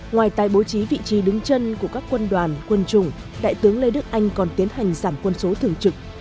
ngoài tài bố trí vị trí đứng chân của các quân đoàn quân chủng đại tướng lê đức anh còn tiến hành giảm quân số thường trực